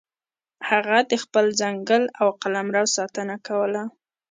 هغه د خپل ځنګل او قلمرو ساتنه کوله.